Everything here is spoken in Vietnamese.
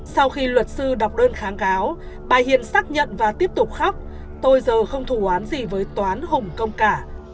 sau khi luật sư đọc đơn kháng cáo bà hiền xác nhận và tiếp tục khóc tôi giờ không thù án gì với toán hùng công cả